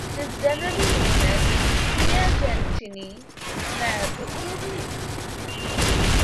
It is generally known as the Craigentinny Marbles.